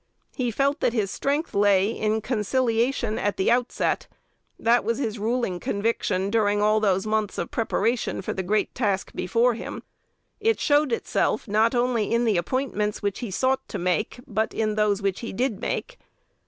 He felt that his strength lay in conciliation at the outset: that was his ruling conviction during all those months of preparation for the great task before him. It showed itself, not only in the appointments which he sought to make, but in those which he did make.